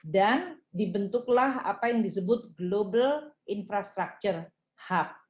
dan dibentuklah apa yang disebut global infrastructure hub